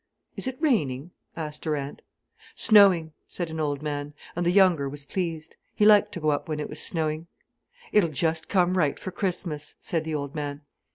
"Is it raining?" asked Durant. "Snowing," said an old man, and the younger was pleased. He liked to go up when it was snowing. "It'll just come right for Christmas," said the old man.